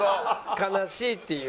悲しいっていう。